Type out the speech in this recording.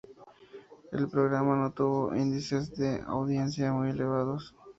El programa no tuvo unos índices de audiencia muy elevados.